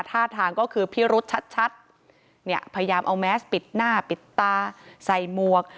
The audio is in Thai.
ท่าทางก็คือพิรุษชัดเนี่ยพยายามเอาแมสปิดหน้าปิดตาใส่หมวก